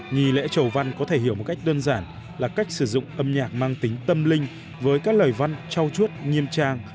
nghi lễ chầu văn có thể hiểu một cách đơn giản là cách sử dụng âm nhạc mang tính tâm linh với các lời văn trao chuốt nghiêm trang